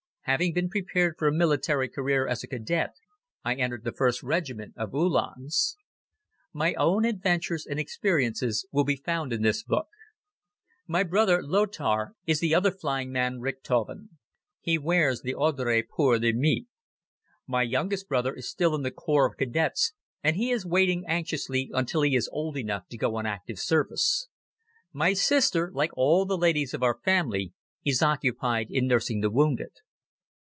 Having been prepared for a military career as a Cadet, I entered the 1st Regiment of Uhlans. My own adventures and experiences will be found in this book. My brother, Lothar, is the other flying man Richthofen. He wears the Ordre pour le Mérite. My youngest brother is still in the Corps of Cadets and he is waiting anxiously until he is old enough to go on active service. My sister, like all the ladies of our family, is occupied in nursing the wounded.